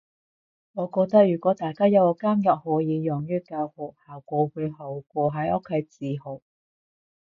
我覺得如果大家有個監獄可以用於教學，效果會好過喺屋企自學